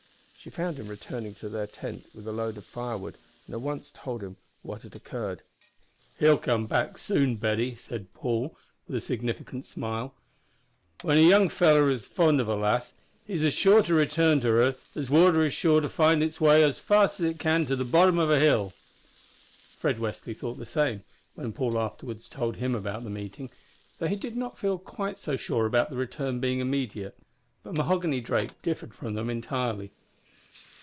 She found him returning to their tent with a load of firewood, and at once told him what had occurred. "He'll soon come back, Betty," said Paul, with a significant smile. "When a young feller is fond of a lass, he's as sure to return to her as water is sure to find its way as fast as it can to the bottom of a hill." Fred Westly thought the same, when Paul afterwards told him about the meeting, though he did not feel quite so sure about the return being immediate; but Mahoghany Drake differed from them entirely.